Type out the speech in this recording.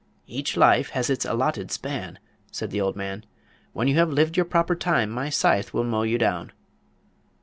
"Each life has its allotted span," said the old man. "When you have lived your proper time my scythe will mow you down."